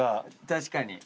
確かに。